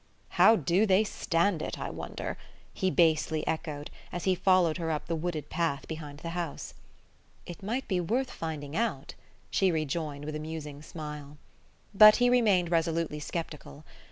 "How do they stand it, I wonder?" he basely echoed, as he followed her up the wooded path behind the house. "It might be worth finding out," she rejoined with a musing smile. But he remained resolutely skeptical.